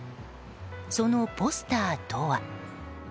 そのポスターとは。